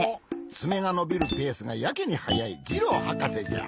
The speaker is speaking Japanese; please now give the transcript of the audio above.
つめがのびるペースがやけにはやいジローはかせじゃ。